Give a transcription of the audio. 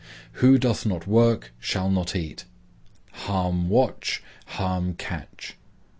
—Who doth not work shall not eat.—Harm watch, harm catch.